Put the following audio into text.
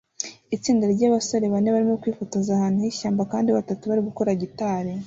Itsinda ryabasore bane barimo kwifotoza ahantu h'ishyamba kandi batatu barimo gukora gitari